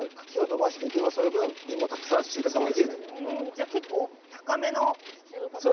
じゃあ結構高めの支柱を立てるんですか？